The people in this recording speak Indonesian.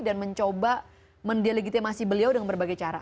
dan mencoba mendilegitimasi beliau dengan berbagai cara